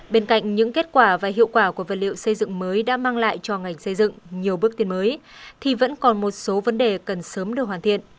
bên cạnh những kết quả và hiệu quả của vật liệu xây dựng mới đã mang lại cho ngành xây dựng nhiều bước tiến mới thì vẫn còn một số vấn đề cần sớm được hoàn thiện